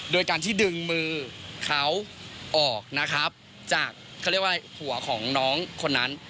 โดยการที่ดึงมือเขาออกนะครับจากเขาเรียกว่าหัวของน้องคนนั้น